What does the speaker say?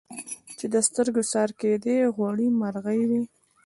چي د سترګو څار کېدی غوړي مرغې وې